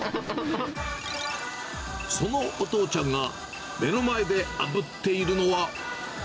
そのお父ちゃんが目の前であぶっているのは。